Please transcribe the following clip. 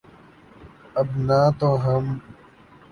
اب نہ تو ہم